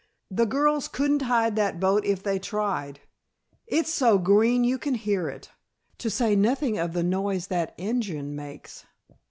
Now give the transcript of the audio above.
"The girls couldn't hide that boat if they tried. It's so green you can hear it, to say nothing of the noise that engine makes."